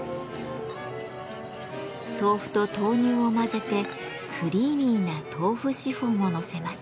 豆腐と豆乳を混ぜてクリーミーな「豆腐シフォン」をのせます。